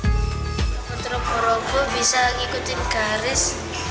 robot terlalu berobot bisa mengikuti garis